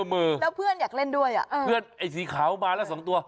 แล้วเพื่อนอยากเล่นด้วยอ่ะเออเพื่อนไอ้สีขาวมาแล้วสองตัว